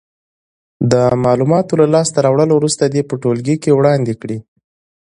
د معلوماتو له لاس ته راوړلو وروسته دې په ټولګي کې وړاندې کړې.